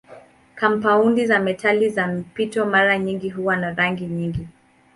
Kampaundi za metali za mpito mara nyingi huwa na rangi nyingi.